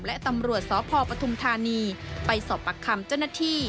และตำรวจสพปฐุมธานีไปสอบปากคำเจ้าหน้าที่